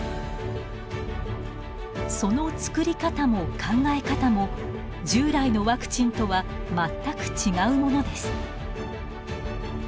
その作り方も考え方も従来のワクチンとは全く違うものです。